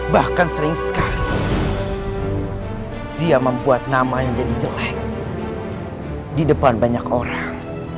bahkan sering sekali dia membuat nama yang jadi jelek di depan banyak orang